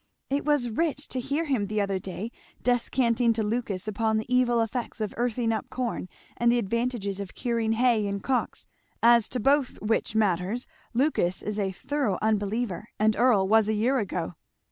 It was rich to hear him the other day descanting to Lucas upon the evil effects of earthing up corn and the advantages of curing hay in cocks, as to both which matters Lucas is a thorough unbeliever, and Earl was a year ago."